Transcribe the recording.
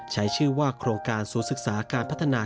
ใช้ชื่อว่าโครงการศูนย์ศึกษาการพัฒนา